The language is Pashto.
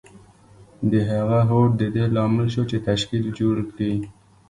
د هغه هوډ د دې لامل شو چې تشکیل جوړ کړي